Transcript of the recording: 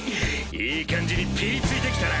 いい感じにピリついてきたな。